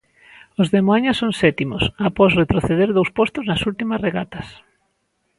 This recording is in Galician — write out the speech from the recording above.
Os de Moaña son sétimos, após retroceder dous postos nas últimas regatas.